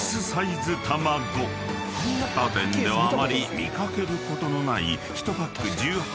［他店ではあまり見掛けることのない］